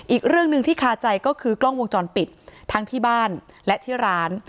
อีกเรื่องหนึ่งที่คาใจก็คือกล้องวงจรปิดทั้งที่บ้านและที่ร้าน